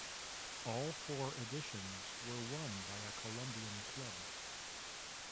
All four editions were won by a Colombian club.